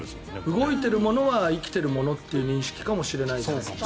動いているものは生きてるものという認識かもしれない。